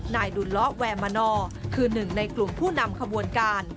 ดุลล้อแวร์มานอคือหนึ่งในกลุ่มผู้นำขบวนการ